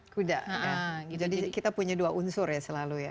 kuda jadi kita punya dua unsur ya selalu ya